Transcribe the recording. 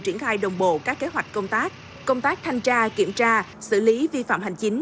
triển khai đồng bộ các kế hoạch công tác công tác thanh tra kiểm tra xử lý vi phạm hành chính